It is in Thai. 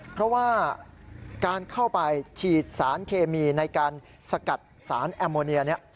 เพราะว่าการเข้าไปฉีดสารเคมีในการสกัดสารแอมโมเนียเนี่ย